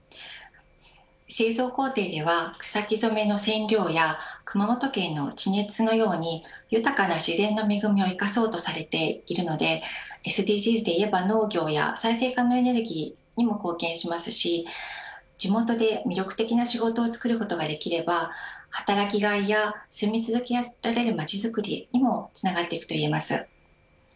製造工程では草木染の染料や熊本県の地熱のように豊かな自然の恵みを生かそうとされているのでＳＤＧｓで言えば、農業や再生可能エネルギーにも貢献しますし地元で魅力的な仕事をつくり出すことができれば働きがいや住み続けられるまちづくりにもつながるといえます。